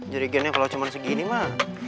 jerigennya kalau cuma segini mah